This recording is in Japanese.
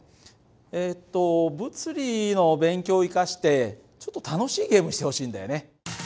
えっと物理の勉強を生かしてちょっと楽しいゲームしてほしいんだよね。